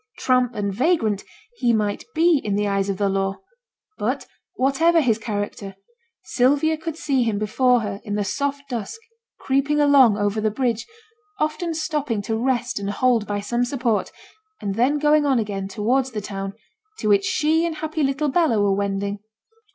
Tramp, and vagrant, he might be in the eyes of the law; but, whatever his character, Sylvia could see him before her in the soft dusk, creeping along, over the bridge, often stopping to rest and hold by some support, and then going on again towards the town, to which she and happy little Bella were wending.